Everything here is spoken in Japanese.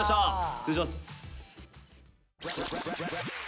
失礼します。